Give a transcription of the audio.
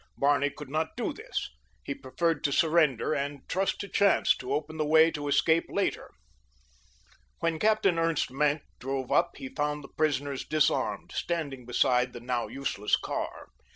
Barney could not do this. He preferred to surrender and trust to chance to open the way to escape later. When Captain Ernst Maenck drove up he found the prisoners disarmed, standing beside the now useless car.